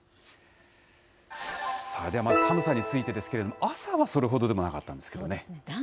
ではまず寒さについてですけれども、朝はそれほどでもなかったんですけどね。